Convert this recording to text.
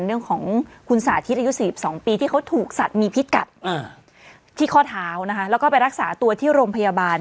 เรื่องของคุณสาธิตอายุ๔๒ปีที่เขาถูกสัตว์มีพิษกัดที่ข้อเท้านะคะแล้วก็ไปรักษาตัวที่โรงพยาบาล